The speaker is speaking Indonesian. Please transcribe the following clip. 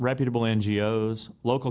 dan penggunaan di negara negara lokal